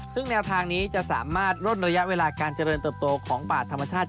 ซึ่งแนวทางนี้จะสามารถลดระยะเวลาการเจริญเติบโตของป่าธรรมชาติ